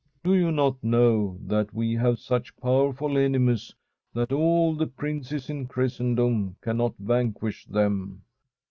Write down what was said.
Do you not know that we have such powerful enemies, that all the princes in Christendom cannot vanquish them